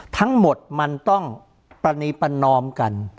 ทั้งหมดมันต้องปรณีประนอมกัน